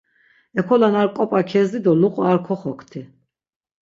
Ekolen ar k̆op̆a kezdi do luqu ar koxokti.